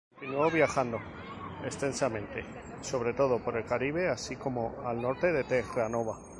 Continuó viajando extensamente, sobre todo por el Caribe, así como al norte de Terranova.